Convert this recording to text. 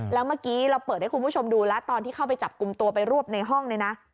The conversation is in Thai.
แล้วเมื่อกี้เราเปิดให้คุณผู้ชมดูแล้วตอนที่เข้าไปจับกลุ่มตัวไปรวบในห้องเนี่ยนะ